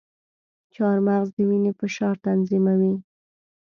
چارمغز د وینې فشار تنظیموي.